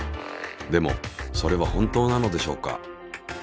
でもそれは本当なのでしょうか。